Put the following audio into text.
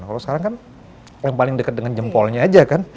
kalau sekarang kan yang paling dekat dengan jempolnya aja kan